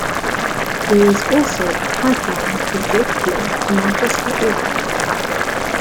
There is also a pipeline for jet fuel to Manchester Airport.